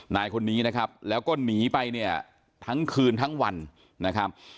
นายคนนี้นะครับแล้วก็หนีไปเนี่ยทั้งคืนทั้งวันนะครับ